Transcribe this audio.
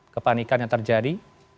kepanikan yang terjadi